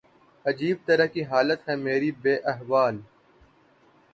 عجیب طرح کی حالت ہے میری بے احوال